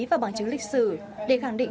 và bằng chứng lịch sử để khẳng định